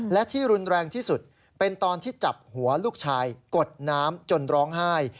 และที่รุนแรงที่สุดเป็นตอนที่จับหัวลูกชายกดน้ำจนร้องไห้